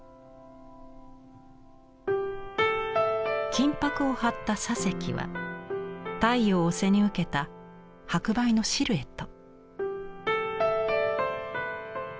金箔を貼った左隻は太陽を背に受けた白梅のシルエット。